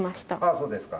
あそうですか。